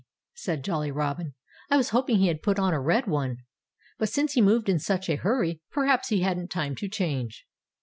said Jolly Robin. "I was hoping he had put on a red one. But since he moved in such a hurry, perhaps he hadn't time to change."